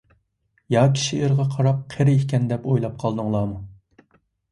ياكى شېئىرغا قاراپ قېرى ئىكەن دەپ ئويلاپ قالدىڭلارمۇ؟